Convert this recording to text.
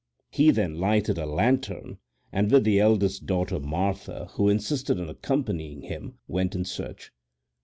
He then lighted a lantern and with the eldest daughter, Martha, who insisted on accompanying him, went in search.